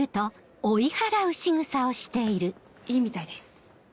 いいみたいです。